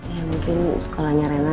ya mungkin sekolahnya rena